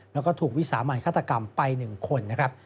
แล้วก็ถูกวิสามันฆาตกรรมไป๑คนนะครับ